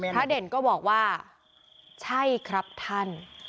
เด่นก็บอกว่าใช่ครับท่าน